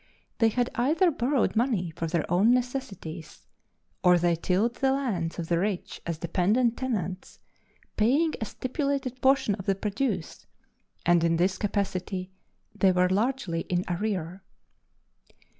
They had either borrowed money for their own necessities, or they tilled the lands of the rich as dependent tenants, paying a stipulated portion of the produce, and in this capacity they were largely in arrear.